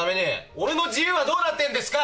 俺の自由はどうなってんですか！